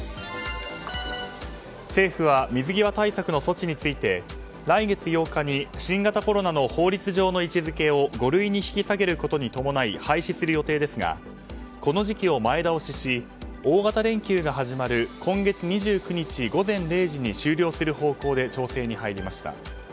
政府は水際対策の措置について来月８日に新型コロナの法律上の位置づけを５類に引き下げることに伴い廃止する予定ですがこの時期を前倒しし大型連休が始まる今月２９日午前０時に終了する方向で調整に入りました。